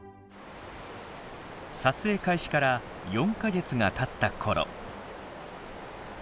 撮影開始から４か月がたったころ。